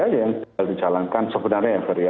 yang tinggal dijalankan sebenarnya ya